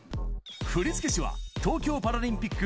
振付師は、東京パラリンピック